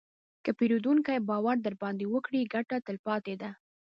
که پیرودونکی باور درباندې وکړي، ګټه تلپاتې ده.